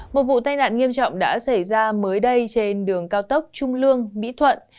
một vụ tai nạn nghiêm trọng đã xảy ra mới đây trên đường cao tốc trung lương mỹ thuận